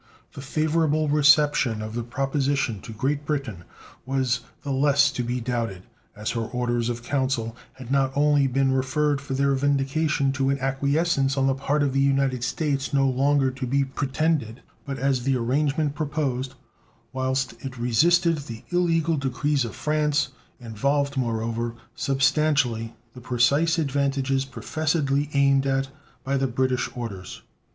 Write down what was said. The favorable reception of the proposition to Great Britain was the less to be doubted, as her orders of council had not only been referred for their vindication to an acquiescence on the part of the United States no longer to be pretended, but as the arrangement proposed, whilst it resisted the illegal decrees of France, involved, moreover, substantially the precise advantages professedly aimed at by the British orders.